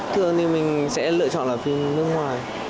thường thì mình sẽ lựa chọn là phim nước ngoài